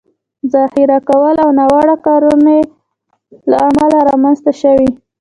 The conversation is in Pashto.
ذخیره کولو او ناوړه کارونې له امله رامنځ ته شوي